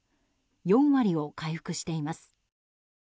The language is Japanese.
４割を回復しています。